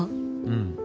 うん。